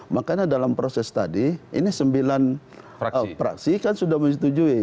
makanya dalam proses tadi ini sembilan praksi kan sudah menyetujui